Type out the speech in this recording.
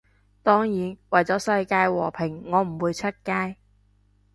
當然，為咗世界和平我唔會出街